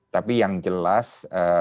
tapi yang jelas